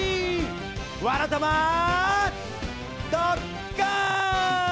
「わらたまドッカン」！